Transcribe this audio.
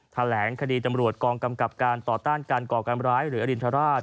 แถลงคดีตำรวจกองกำกับการต่อต้านการก่อการร้ายหรืออรินทราช